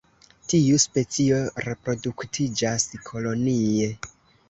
Tiu specio reproduktiĝas kolonie.